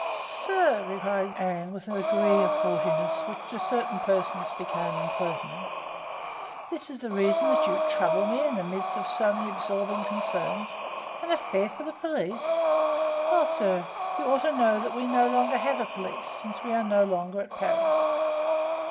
"Sir," replied Anne, with a degree of haughtiness which to certain persons became impertinence, "this is the reason that you trouble me in the midst of so many absorbing concerns! an affair for the police! Well, sir, you ought to know that we no longer have a police, since we are no longer at Paris."